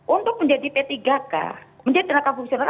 untuk menjadi p tiga k menjadi tenaga fungsional